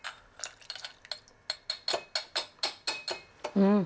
うん。